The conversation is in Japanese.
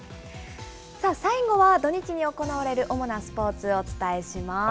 さあ、最後は土日に行われるおもなスポーツをお伝えします。